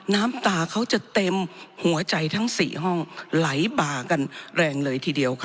น้ำตาเขาจะเต็มหัวใจทั้ง๔ห้องไหลบ่ากันแรงเลยทีเดียวค่ะ